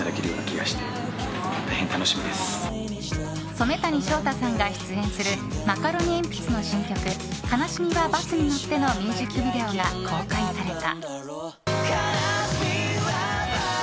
染谷将太さんが出演するマカロニえんぴつの新曲「悲しみはバスに乗って」のミュージックビデオが公開された。